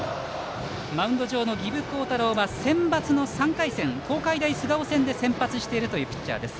マウンド上の儀部皓太朗はセンバツの３回戦東海大菅生戦で先発しているというピッチャーです。